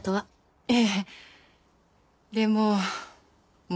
ええ。